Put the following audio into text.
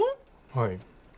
はい。